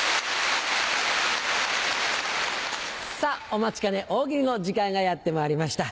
お待ちかね大喜利の時間がやってまいりました。